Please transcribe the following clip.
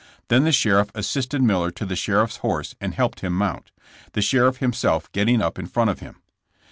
Then the sheriff assisted Miller to the sheriff's horse and helped him mount, the sheriff himself getting up in front of him.